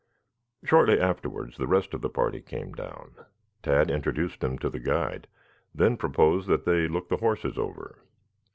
Shortly afterwards the rest of the party came down. Tad introduced them to the guide, then proposed that they look the horses over.